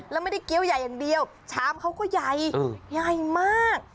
แล้วไม่ได้เกี้ยวใหญ่อย่างเดียวชามเขาก็ใหญ่ใหญ่มาก